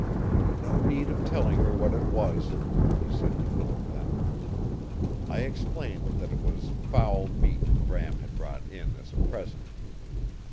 "No need of telling her what it was," he said to Philip then. "I explained that it was foul meat Bram had brought in as a present.